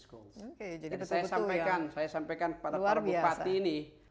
jadi saya sampaikan kepada para bupati ini